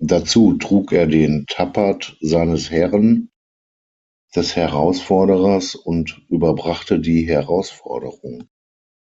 Dazu trug er den Tappert seines Herren, des Herausforderers, und überbrachte die Herausforderung.